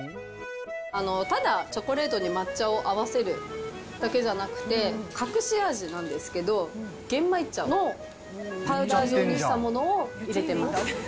ただチョコレートに抹茶を合わせるだけじゃなくて、隠し味なんですけど、玄米茶のパウダー状にしたものを入れてます。